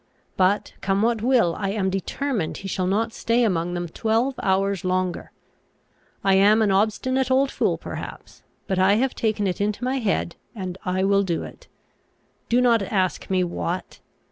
But come what will, I am determined he shall not stay among them twelve hours longer. I am an obstinate old fool perhaps; but I have taken it into my head, and I will do it. Do not ask me what.